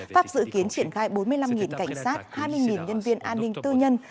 pháp dự kiến triển khai bốn mươi năm cảnh sát hai mươi nhân viên an ninh tư nhân